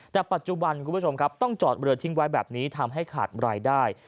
แต่ปัจจุบันคุณผู้ชมครับต้องจอดเรือทิ้งไว้แบบนี้ทำให้ขาดรายได้